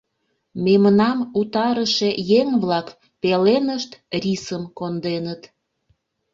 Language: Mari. Мемнам утарыше еҥ-влак пеленышт рисым конденыт.